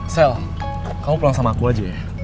sel kamu pulang sama aku aja